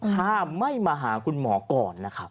ถ้าไม่มาหาคุณหมอก่อนนะครับ